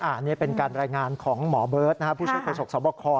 อันนี้เป็นการรายงานของหมอเบิร์ตผู้ช่วยโศกสวบค